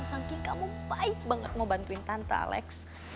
saking kamu baik banget mau bantuin tanta alex